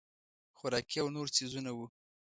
خوراکي او نور څیزونه وو.